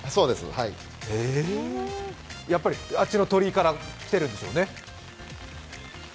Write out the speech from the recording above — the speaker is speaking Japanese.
やっぱりあっちの鳥居から来てるんですよね。